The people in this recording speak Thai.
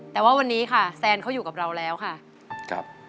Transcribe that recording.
แต่วันนี้ค่ะแซนอยู่กับเราแล้วค่ะ